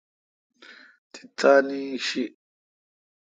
تی تانی شی۔